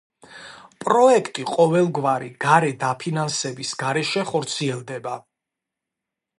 პროექტი ყოველგვარი გარე დაფინანსების გარეშე ხორციელდება.